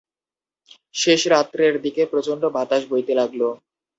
শেষ রাত্রের দিকে প্রচণ্ড বাতাস বইতে লাগল।